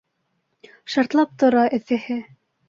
Шартлап тора эҫеһе.